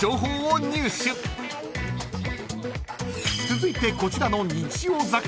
［続いてこちらの］